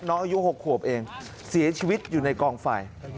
อายุ๖ขวบเองเสียชีวิตอยู่ในกองไฟ